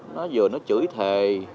nó vừa nó chửi thề